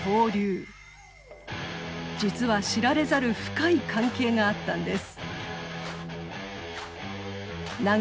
実は知られざる深い関係があったんです。